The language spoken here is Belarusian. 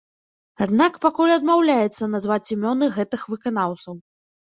Аднак пакуль адмаўляецца назваць імёны гэтых выканаўцаў.